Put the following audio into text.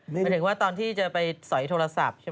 หมายถึงว่าตอนที่จะไปสอยโทรศัพท์ใช่ไหม